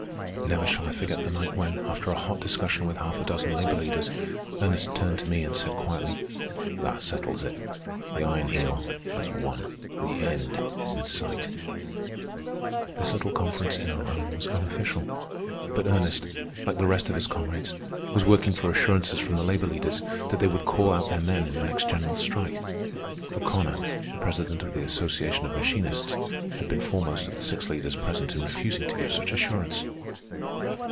Never shall I forget the night when, after a hot discussion with half a dozen labor leaders, Ernest turned to me and said quietly: "That settles it. The Iron Heel has won. The end is in sight." This little conference in our home was unofficial; but Ernest, like the rest of his comrades, was working for assurances from the labor leaders that they would call out their men in the next general strike. O'Connor, the president of the Association of Machinists, had been foremost of the six leaders present in refusing to give such assurance.